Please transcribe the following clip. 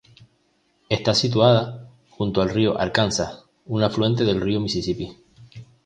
Está situada junto al río Arkansas, un afluente del río Misisipi.